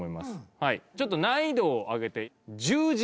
ちょっと難易度を上げて十字。